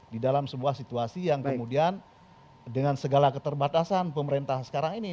di dalam sebuah situasi yang kemudian dengan segala keterbatasan pemerintah sekarang ini